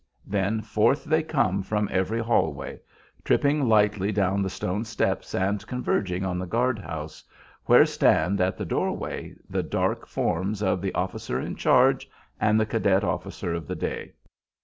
Then forth they come from every hall way; tripping lightly down the stone steps and converging on the guard house, where stand at the door way the dark forms of the officer in charge and the cadet officer of the day.